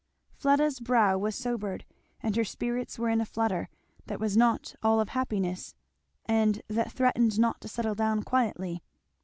Fleda's brow was sobered, and her spirits were in a flutter that was not all of happiness and that threatened not to settle down quietly.